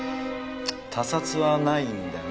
他殺はないんだよな？